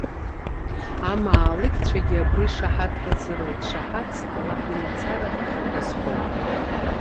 Амаалықьцәагьы абри шаҳаҭра азыруеит. Шаҳаҭс Аллаҳ имацара дазхоит.